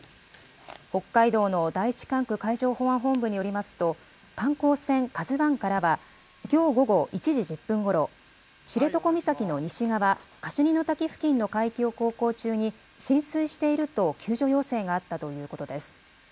北海道の第１管区海上保安本部によりますと、観光船ＫＡＺＵわんからはきょう午後１時１０分ごろ、知床岬の西側、カシュニの滝付近の海域を航行中に、浸水していると救助要請があったということです。